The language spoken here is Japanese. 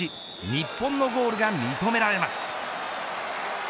日本のゴールが認められます。